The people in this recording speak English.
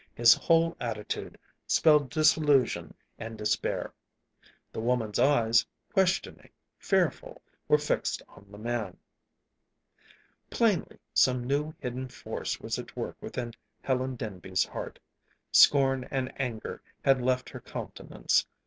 His whole attitude spelled disillusion and despair. The woman's eyes, questioning, fearful, were fixed on the man. Plainly some new, hidden force was at work within Helen Denby's heart. Scorn and anger had left her countenance.